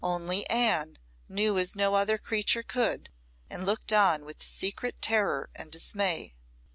Only Anne knew as no other creature could, and looked on with secret terror and dismay.